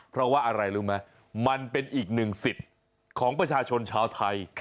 เพราะว่าอะไรรู้ไหมมันเป็นอีกหนึ่งสิทธิ์ของประชาชนชาวไทย